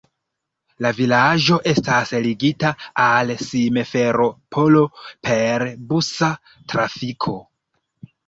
La vilaĝo estas ligita al Simferopolo per busa trafiko.